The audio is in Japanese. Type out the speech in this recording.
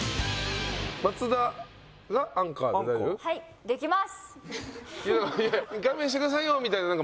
はい。